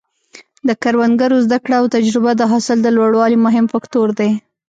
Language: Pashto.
د کروندګرو زده کړه او تجربه د حاصل د لوړوالي مهم فکتور دی.